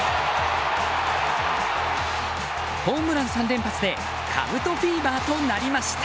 ホームラン３連発でかぶとフィーバーとなりました。